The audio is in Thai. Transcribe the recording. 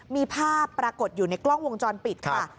มีภาพปรากฏอยู่ในกล้องวงจรปิดค่ะ